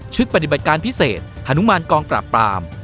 ปฏิบัติการพิเศษฮานุมานกองปราบปราม